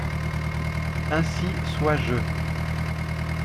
Ainsi soit je...